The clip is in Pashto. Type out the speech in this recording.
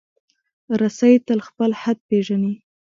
رسۍ تل خپل حد پېژني.